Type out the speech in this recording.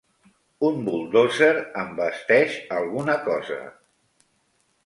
Un buldòzer envesteix alguna cosa.